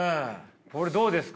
これどうですか？